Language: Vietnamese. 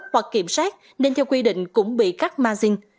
hoặc kiểm soát nên theo quy định cũng bị các ma sinh